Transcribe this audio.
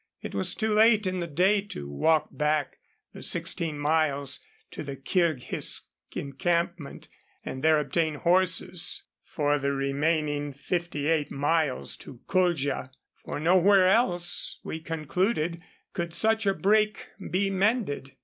It was too late in the day to walk back the sixteen miles to the Kirghiz encampment, and there obtain horses for the remaining fifty eight miles to Kuldja, for nowhere else, we concluded, could such a break be mended.